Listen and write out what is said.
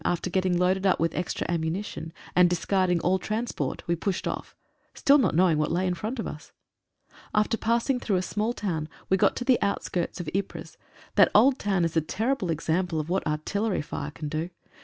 after getting loaded up with extra ammu nition, and discarding all transport, we pushed off — still not knowing what lay in front of us. After passing through a small town we got to the outskirts of Ypres That old town is a terrible example of what artillery fire can do.